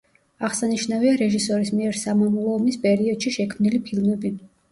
აღსანიშნავია რეჟისორის მიერ სამამულო ომის პერიოდში შექმნილი ფილმები.